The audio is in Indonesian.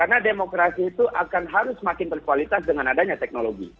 karena demokrasi itu akan harus semakin berkualitas dengan adanya teknologi